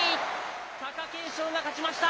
貴景勝が勝ちました。